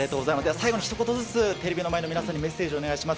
最後にひと言ずつ、テレビの前の皆さんにメッセージ、お願いします。